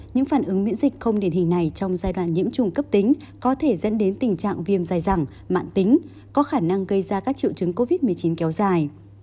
những phản ứng miễn dịch không điển hình này trong giai đoạn nhiễm trùng cấp tính có thể dẫn đến tình trạng viêm dài dẳng mạng tính có khả năng gây ra các triệu chứng covid một mươi chín kéo dài